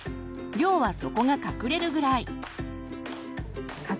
量は底が隠れるぐらい。